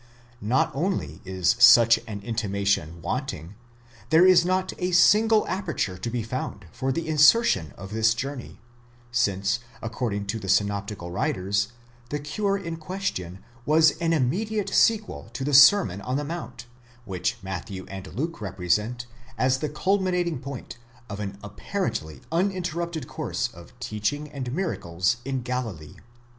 Not only is such an intimation wanting—there is not a single aperture to be found for the insertion of this journey, since, according to the synoptical writers, the cure in question was an immediate sequel to the Sermon on the Mount, which Matthew and Luke represent as the culminating point, of an apparently uninterrupted course of teaching and miracles in Galilee.